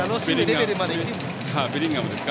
ベリンガムですか？